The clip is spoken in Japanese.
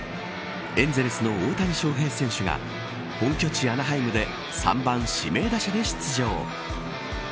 エンゼルスの大谷翔平選手が本拠地、アナハイムで３番、指名打者で出場。